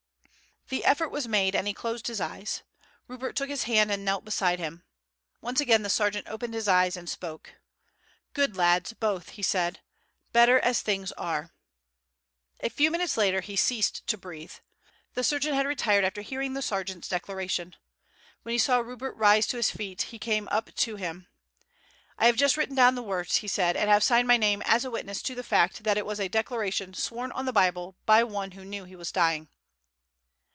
The effort was made and he closed his eyes. Rupert took his hand and knelt beside him. Once again the sergeant opened his eyes and spoke. "Good lads both," he said; "better as things are." A few minutes later he ceased to breathe. The surgeon had retired after hearing the sergeant's declaration. When he saw Rupert rise to his feet he came up to him. "I have just written down the words," he said, "and have signed my name as a witness to the fact that it was a declaration sworn on the Bible by one who knew that he was dying."